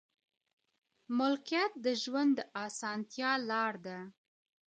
ملکيت د ژوند د اسانتيا لار ده.